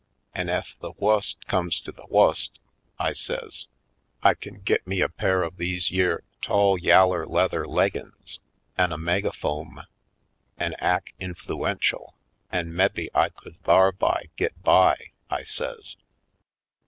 An' ef the wust comes to the wust," I says, "I kin get me a pair of these yere tall yaller leather leggin's an' a megaphome an* ack influential an' mebbe I could thar'by git by," I says.